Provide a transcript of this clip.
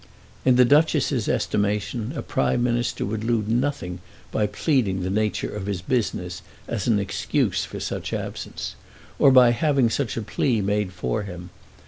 In the Duchess's estimation a Prime Minister would lose nothing by pleading the nature of his business as an excuse for such absence, or by having such a plea made for him.